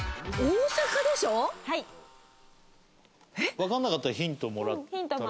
わからなかったらヒントもらったら。